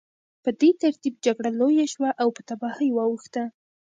په دې ترتیب جګړه لویه شوه او په تباهۍ واوښته